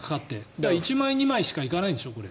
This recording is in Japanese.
だから、１枚２枚しか行かないんでしょ、これ。